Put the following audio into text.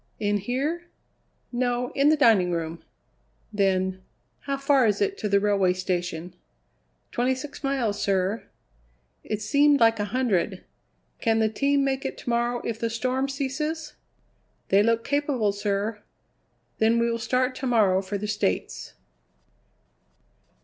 "In here?" "No; in the dining room." Then, "How far is it to the railway station?" "Twenty six miles, sir." "It seemed like a hundred. Can the team make it to morrow if the storm ceases?" "They look capable, sir." "Then we will start to morrow for the States."